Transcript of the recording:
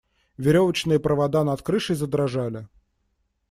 Веревочные провода над крышей задрожали.